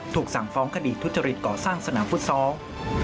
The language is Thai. ถูกสั่งฟ้องคดีทุจริตก่อสร้างสนามฟุตซอล